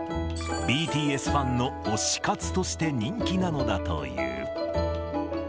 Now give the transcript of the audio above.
ＢＴＳファンの推し活として人気なのだという。